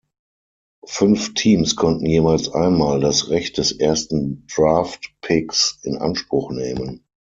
Fünf Teams konnten jeweils einmal das Recht des ersten Draft-Picks in Anspruch nehmen.